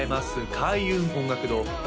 開運音楽堂私